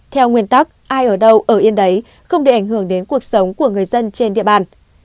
theo nguyên tắc ai ở đâu ở yên đấy không để ảnh hưởng đến cuộc sống của người dân trên địa bàn